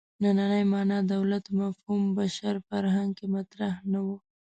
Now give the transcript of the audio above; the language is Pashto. نننۍ معنا دولت مفهوم بشر فرهنګ کې مطرح نه و.